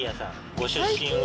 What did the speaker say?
ご出身は？